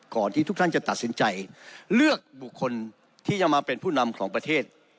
ที่ทุกท่านจะตัดสินใจเลือกบุคคลที่จะมาเป็นผู้นำของประเทศ